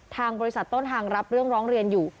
ทางบริษัทต้นทางรับเรื่องร้องเรียนอยู่